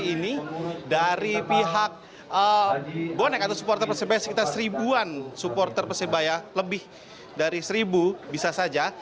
ini dari pihak bonek atau supporter persebaya sekitar seribuan supporter persebaya lebih dari seribu bisa saja